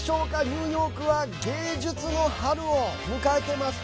ニューヨークは芸術の春を迎えてます。